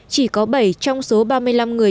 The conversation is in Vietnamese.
chỉ có bảy trong số ba mươi năm người